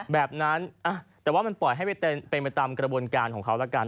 แบบนั้นแต่ว่ามันปล่อยให้เป็นไปตามกระบวนการของเขาละกัน